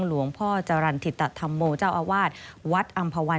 หลวงพ่อจรรทิตถโธมโมเจ้าอาวาทวัดอำพวัน